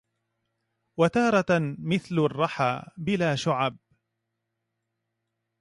وتارةً مثل الرَّحى بلا شُعَبْ